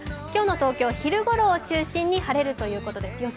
今日の東京は昼頃を中心に晴れるということです。